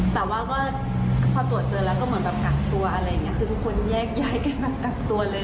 แต่ว่าก็พอตรวจเจอแล้วก็เหมือนแบบกักตัวอะไรอย่างนี้คือทุกคนแยกย้ายกันมากักตัวเลย